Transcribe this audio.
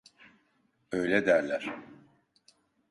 Öyle derler.